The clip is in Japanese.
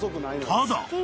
［ただ］